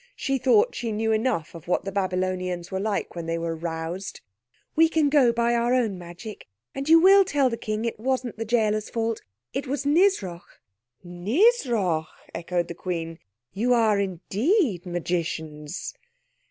She thought she knew enough of what the Babylonians were like when they were roused. "We can go by our own magic. And you will tell the King it wasn't the gaoler's fault. It was Nisroch." "Nisroch!" echoed the Queen. "You are indeed magicians."